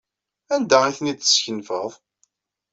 Anda ay ten-id-teskenfeḍ?